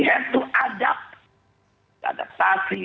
kita harus mengadopsi